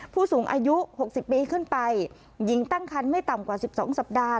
ผู้สูงอายุ๖๐ปีขึ้นไปหญิงตั้งคันไม่ต่ำกว่า๑๒สัปดาห์